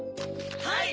はい。